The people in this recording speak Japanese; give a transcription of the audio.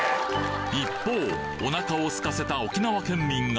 一方お腹をすかせた沖縄県民が